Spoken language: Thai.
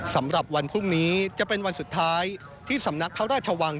สำหรับวันพรุ่งนี้จะเป็นวันสุดท้ายที่สำนักพระราชวัง